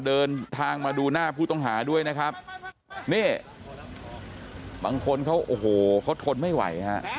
เดินทางมาดูหน้าผู้ต้องหาด้วยนะครับนี่บางคนเขาโอ้โหเขาทนไม่ไหวฮะ